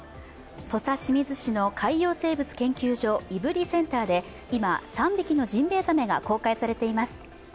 土佐清水市の海洋生物研究所、以布利センターで今、３匹のジンベエザメが公開されています。